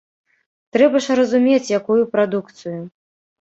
Трэба ж разумець, якую прадукцыю.